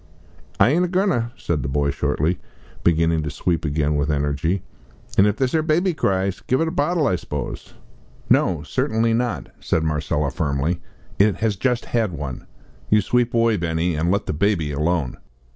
"I aint a goin' ter," said the boy, shortly, beginning to sweep again with energy, "an' if this 'ere baby cries, give it the bottle, I s'pose?" "No, certainly not," said Marcella, firmly; "it has just had one. You sweep away, Benny, and let the baby alone."